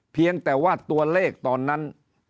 เพียงแต่ว่าตัวเลขตอนนั้น